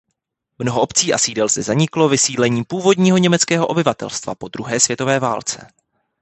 Mnoho obcí a sídel zde zaniklo vysídlením původního německého obyvatelstva po druhé světové válce.